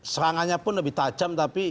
serangannya pun lebih tajam tapi